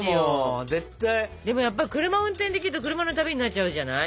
でもやっぱり車運転できると車の旅になっちゃうじゃない？